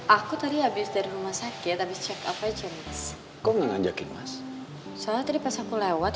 aku tadi habis dari rumah sakit habis cek apa aja mas aku soalnya tadi pas aku lewat